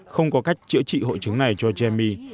không có cách chữa trị hội chứng này cho jaimi